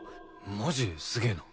マジすげえな。